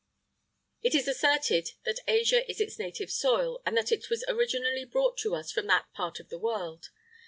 [IX 54] It is asserted that Asia is its native soil, and that it was originally brought to us from that part of the world.